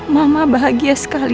mama bahagia sekali